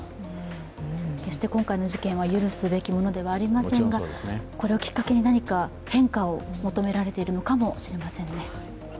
決して今回の事件は許すべきものではありませんが、これをきっかけに何か変化を求められているのかもしれませんね。